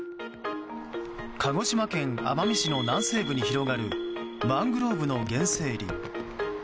鹿児島県奄美市の南西部に広がるマングローブの原生林。